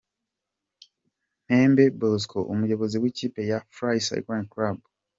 Ntembe Bosco umuyobozi w'ikipe ya Fly Cycling Club.